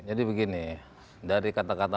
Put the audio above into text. jadi begini dari kata kata